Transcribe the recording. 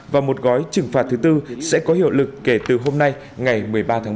và một gói trừng phạt thứ tư sẽ có hiệu lực kể từ hôm nay ngày một mươi ba tháng năm